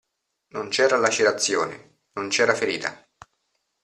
Non c'era lacerazione, non c'era ferita.